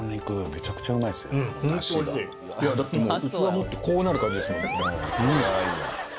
だってもう器持ってこうなる感じですもん。